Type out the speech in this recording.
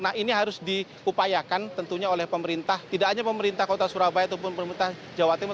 nah ini harus diupayakan tentunya oleh pemerintah tidak hanya pemerintah kota surabaya ataupun pemerintah jawa timur